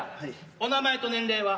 お名前と年齢は？